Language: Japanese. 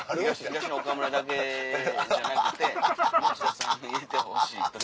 東野岡村だけじゃなくて持田さん入れてほしいという。